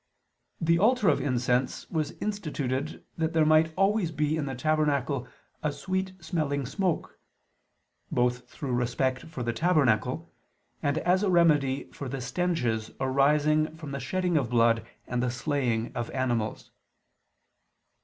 The altar of incense was instituted that there might always be in the tabernacle a sweet smelling smoke; both through respect for the tabernacle, and as a remedy for the stenches arising from the shedding of blood and the slaying of animals.